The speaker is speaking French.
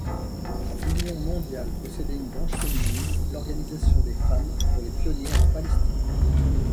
L'Union mondiale possédait une branche féminine, l'Organisation des Femmes pour les Pionnières en Palestine.